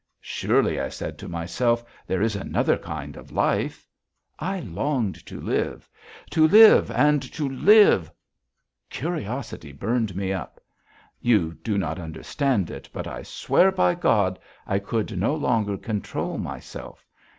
'Surely,' I said to myself, 'there is another kind of life.' I longed to live! To live, and to live.... Curiosity burned me up.... You do not understand it, but I swear by God, I could no longer control myself.